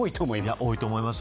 多いと思いますよ。